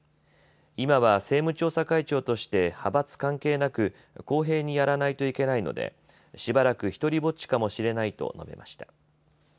今は政務調査会長として派閥関係なく公平にやらないといけないのでしばらく独りぼっちかもしれないと述べました。